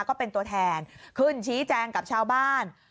ก็เป็นตัวแทนขึ้นชี้แจงกับชาวบ้าน